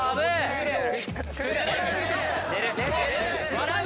笑う！